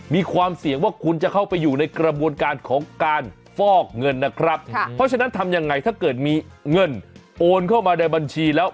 มีความเสี่ยงว่าคุณจะเข้าไปอยู่ในกระบวนการของการฟอกเงินนะครับเพราะฉะนั้นทำยังไงถ้าเกิดมีเงินโอนเข้ามาในบัญชีแล้ว